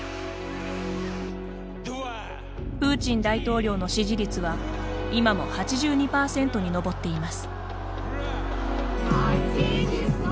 プーチン大統領の支持率は今も８２％に上っています。